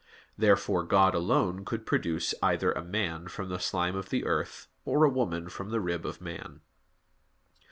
Therefore God alone could produce either a man from the slime of the earth, or a woman from the rib of man.